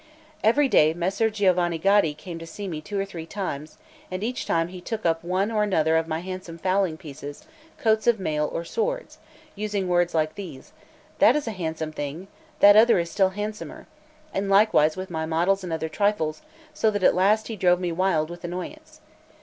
Every day Messer Giovanni Gaddi came to see me two or three times, and each time he took up one or other of my handsome fowling pieces, coats of mail, or swords, using words like these: "That is a handsome thing, that other is still handsomer;" and likewise with my models and other trifles, so that at last he drove me wild with annoyance.